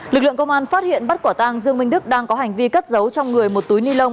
lực lượng công an phát hiện bắt quả tang dương minh đức đang có hành vi cất giấu trong người một túi ni lông